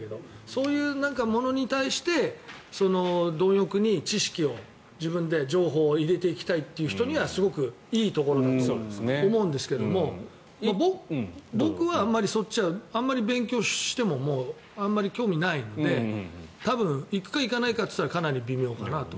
そういうものに対して貪欲に知識を自分で情報を入れていきたいという人にはすごくいいところだと思うんですけど僕はそっちは勉強してもあまり興味ないので多分行くか行かないかといったらかなり微妙かなと。